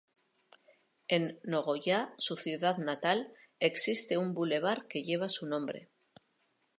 En Nogoyá, su ciudad natal, existe un bulevar que lleva su nombre.